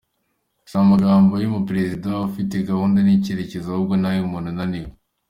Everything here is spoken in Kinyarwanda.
Si amagambo y’umuperezida ufite gahunda n’icyerekezo ahubwo ni ay’umuntu unaniwe.